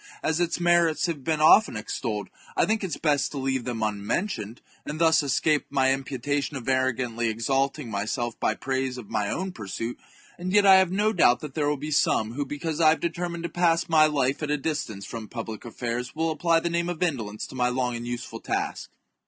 As its merits have been often extolled, I think it best to leave them unmentioned, and thus escape any imputa tion of arrogantly exalting myself by praise of my own pursuit. And yet I have no doubt that there will be some w^ho, because I have determined to pass my life at a distance from public affairs, will apply the name of indolence to my long and useful task..